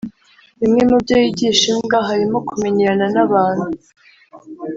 Bimwe mu byo yigisha imbwa harimo kumenyerana n’abantu